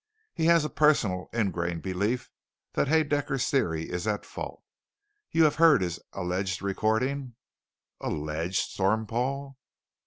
He has a personal, ingrained belief that Haedaecker's Theory is at fault. You have heard his alleged recording " "Alleged!" stormed Paul.